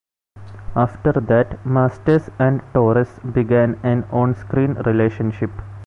After that, Masters and Torres began an on-screen relationship.